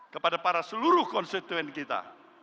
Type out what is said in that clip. kepada para seluruh konstituen kita